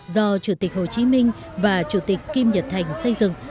do chủ tịch hồ chí minh và chủ tịch kim nhật thành xây dựng